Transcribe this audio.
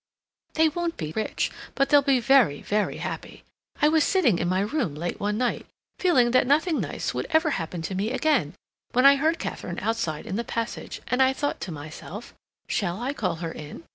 They won't be rich, but they'll be very, very happy. I was sitting in my room late one night, feeling that nothing nice would ever happen to me again, when I heard Katharine outside in the passage, and I thought to myself, 'Shall I call her in?